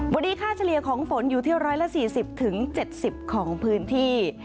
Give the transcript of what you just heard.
วันนี้ค่าเฉลี่ยของฝนอยู่ที่๑๔๐๗๐ของพื้นที่